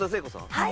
はい。